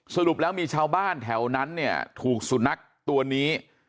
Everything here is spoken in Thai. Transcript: สรุปแล้วมีชาวบ้านแถวนั้นเนี่ยถูกสุนัขตัวนี้